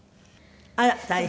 あら大変！